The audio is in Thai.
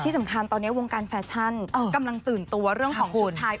สำคัญตอนนี้วงการแฟชั่นกำลังตื่นตัวเรื่องของชุดไทย